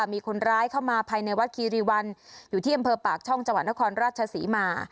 มีคนร้ายเข้ามาภายในวัดคีรีวันอยู่ที่อำเภอปากช่องจังหวัดนครราชศรีมา